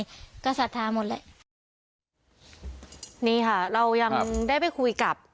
ดียังไงก็ศรัทธาหมดเลยนี่ค่ะเรายังได้ไปคุยกับ